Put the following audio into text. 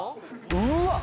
うわっ。